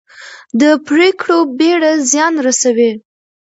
د پرېکړو بېړه زیان رسوي